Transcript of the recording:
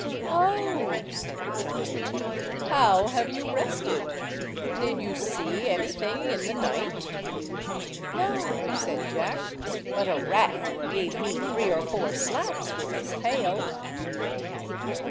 "Oh," said the giant, "how have you rested? Did you see anything in the night?" "No," said Jack, "but a rat gave me three or four slaps with his tail."